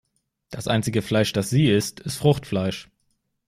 Das einzige Fleisch, das sie isst, ist Fruchtfleisch.